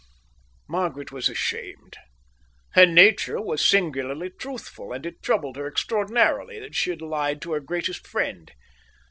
Margaret was ashamed. Her nature was singularly truthful, and it troubled her extraordinarily that she had lied to her greatest friend.